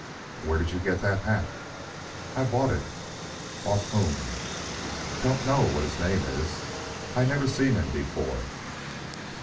"Where did you get that hat?" "I bought it." "Off whom?" "Don't know what his name is. I never seen him before."